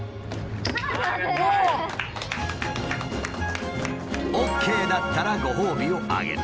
おお！ＯＫだったらご褒美をあげる。